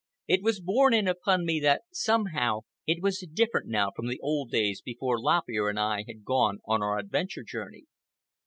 It was borne in upon me that somehow it was different now from the old days before Lop Ear and I had gone on our adventure journey.